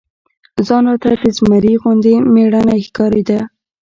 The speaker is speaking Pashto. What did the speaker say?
ځان راته د زمري غوندي مېړنى ښکارېده.